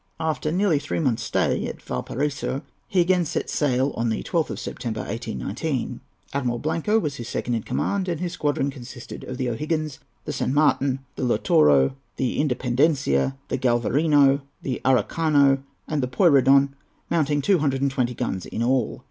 After nearly three months' stay at Valparaiso, he again set sail on the 12th of September, 1819. Admiral Blanco was his second in command, and his squadron consisted of the O'Higgins, the San Martin, the Lautaro, the Independencia, the Galvarino, the Araucano, and the Puyrredon, mounting two hundred and twenty guns in all.